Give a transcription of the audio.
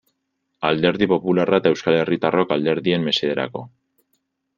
Alderdi Popularra eta Euskal Herritarrok alderdien mesederako.